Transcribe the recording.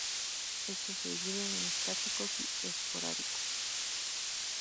Estos se dividen en estáticos y esporádicos.